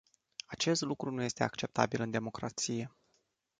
Acest lucru nu este acceptabil în democrație.